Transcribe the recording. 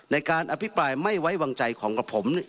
ในการอภิปรายไม่ไว้วางใจของกับผม